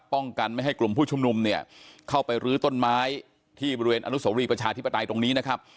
ป้องกันไม่ให้กลุ่มผู้ชุมนุมเนี่ยเข้าไปรื้อต้นไม้ที่บริเวณอนุโสรีประชาธิปไตยตรงนี้นะครับ